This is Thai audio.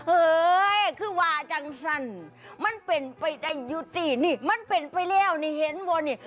เอ้ยคือว่าจังสั้นมันเป็นไปได้อยู่สินี่มันเป็นไปแล้วนี่เห็นวนนี่